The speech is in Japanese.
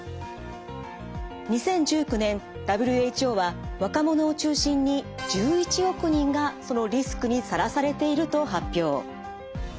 ２０１９年ＷＨＯは若者を中心に１１億人がそのリスクにさらされていると発表。